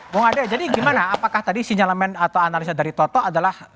bung ade jadi gimana apakah tadi sinyalemen atau analisa dari toto adalah